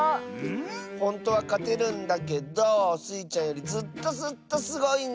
ほんとはかてるんだけどスイちゃんよりずっとずっとすごいんだけど。